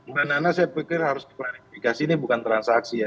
mbak nana saya pikir harus diklarifikasi ini bukan transaksi ya